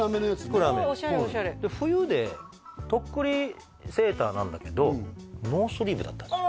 暗め冬でとっくりセーターなんだけどノースリーブだったんですよ